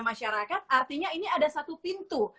masyarakat artinya ini ada satu pintu